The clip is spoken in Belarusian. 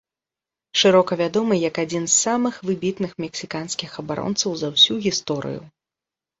Шырока вядомы як адзін з самых выбітных мексіканскіх абаронцаў за ўсю гісторыю.